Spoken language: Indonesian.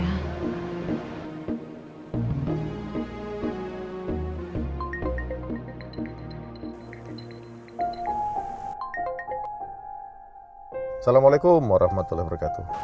assalamualaikum warahmatullahi wabarakatuh